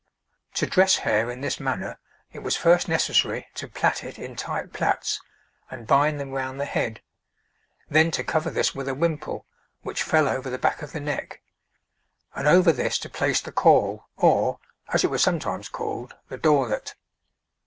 To dress hair in this manner it was first necessary to plait it in tight plaits and bind them round the head, then to cover this with a wimple, which fell over the back of the neck, and over this to place the caul, or, as it was sometimes called, the dorelet.